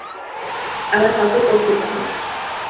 আমার কাউকে ফোন করতে হবে।